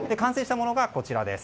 完成したものがこちらです。